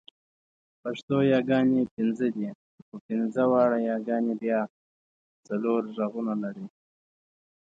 پښتو یاګانې پنځه دي، خو پنځه واړه یاګانې بیا څلور غږونه لري.